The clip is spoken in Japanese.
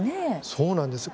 そうなんです。